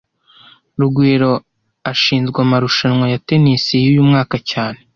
Rugwiro ashinzwe amarushanwa ya tennis yuyu mwaka cyane